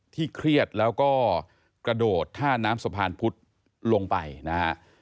เครียดแล้วก็กระโดดท่าน้ำสะพานพุธลงไปนะฮะ